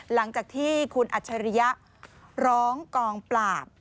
หลังจากที่คุณอัจฉริยะร้องกองปราบ